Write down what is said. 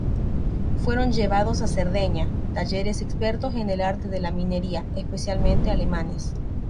Fueron llevados a Cerdeña talleres expertos en el arte de la minería, especialmente alemanes.